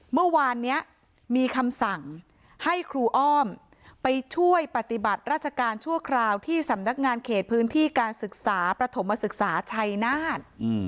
เมื่อวานนี้มีคำสั่งให้ครูอ้อมไปช่วยปฏิบัติราชการชั่วคราวที่สำนักงานเขตพื้นที่การศึกษาประถมศึกษาชัยนาธ